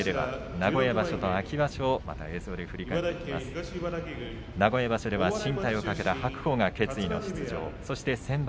名古屋場所では進退を懸けた白鵬が決意の出場。